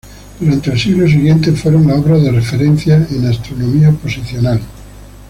Durante el siglo siguiente fueron la obra de referencia en astronomía posicional.